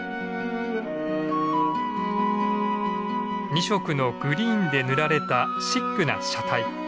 ２色のグリーンで塗られたシックな車体。